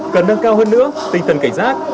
cần nâng cao hơn nữa tinh thần cảnh giác